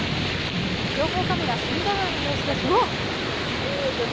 情報カメラ、隅田川の様子です。